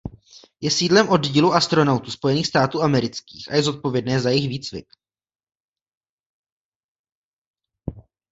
Je sídlem oddílu astronautů Spojených států amerických a je zodpovědné za jejich výcvik.